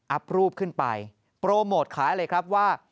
รูปขึ้นไปโปรโมทขายเลยครับว่า